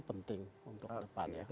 penting untuk depannya